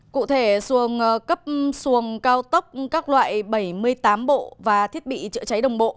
cụ thể xuồng cấp xuồng cao tốc các loại bảy mươi tám bộ và thiết bị chữa cháy đồng bộ